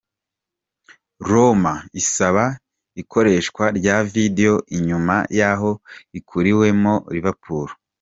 Roma isaba ikoresha rya "video" inyuma yaho ikuriwemwo na Liverpool.